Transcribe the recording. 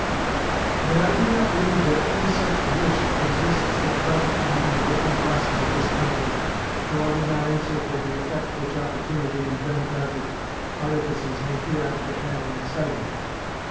But I do not believe that any such wish exists at present among the working classes of this country, though I would not answer for the effect which opportunity and demagogic artifices may hereafter have in exciting it.